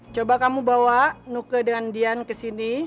coba kamu bawa nuka dan dian ke sini